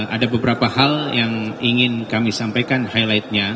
ada beberapa hal yang ingin kami sampaikan highlightnya